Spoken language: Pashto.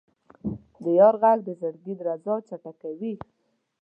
د یار ږغ د زړګي درزا چټکوي.